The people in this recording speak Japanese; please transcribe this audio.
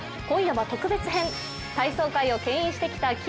今夜は特別編体操界をけん引してきた